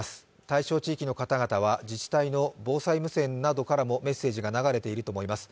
対象地域の方々は自治体の防災無線などからもメッセージが流れていると思います。